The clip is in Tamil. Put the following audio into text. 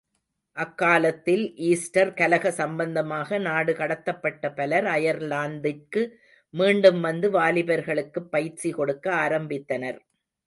அக்காலத்தில் ஈஸ்டர் கலக சம்பந்தமாக நாடுகடத்தப்பட்ட பலர் அயர்லாந்திற்கு மீண்டும் வந்து வாலிபர்களுக்குப் பயிற்சி கொடுக்க ஆரம்பித்தனர்.